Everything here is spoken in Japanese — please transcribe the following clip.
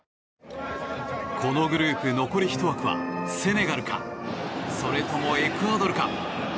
このグループ残り１枠はセネガルかエクアドルか。